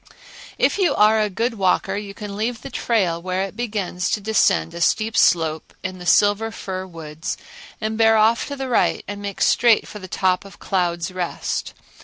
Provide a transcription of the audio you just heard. If you are a good walker you can leave the trail where it begins to descend a steep slope in the silver fir woods, and bear off to the right and make straight for the top of Clouds' Rest.